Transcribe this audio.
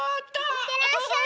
いってらっしゃい！